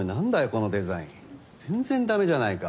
このデザイン全然だめじゃないか。